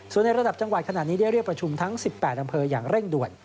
ส่วนในระดับจังหวัดขณะนี้ได้เรียกประชุมทั้ง๑๘อำเภออย่างเร่งด่วน